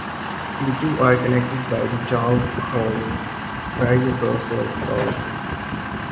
The two are connected by the Charles Hall Ferry across Lake Powell.